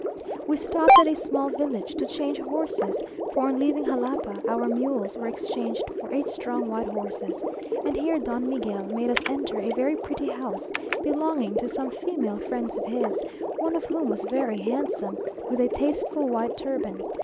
We stopped at a small village to change horses (for on leaving Jalapa, our mules were exchanged for eight strong white horses), and here Don Miguel made us enter a very pretty house belonging to some female friends of his, one of whom was very handsome, with a tasteful white turban.